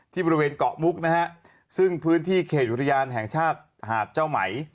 บริเวณเกาะมุกนะฮะซึ่งพื้นที่เขตอุทยานแห่งชาติหาดเจ้าไหม